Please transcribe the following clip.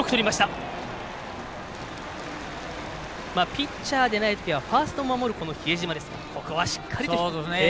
ピッチャーではない時はファーストを守る比江島ですがここはしっかりと、とりました。